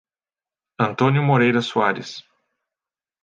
Antônio Moreira Soares